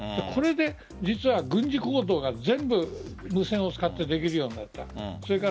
それで実は軍事行動が全部無線を使ってできるようになった。